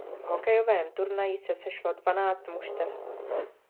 V hokejovém turnaji se sešlo dvanáct mužstev.